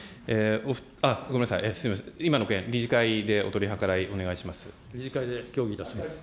ごめんなさい、今の件、理事会でお取り計らいお願いいたします。